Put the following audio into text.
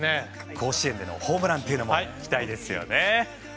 甲子園でのホームランも期待ですね。